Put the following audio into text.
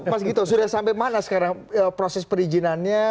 mas gito sudah sampai mana sekarang proses perizinannya